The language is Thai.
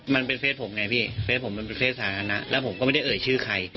มันเป็นเฟสผมไงพี่เฟสผมมันเป็นเฟสสาธารณะแล้วผมก็ไม่ได้เอ่ยชื่อใคร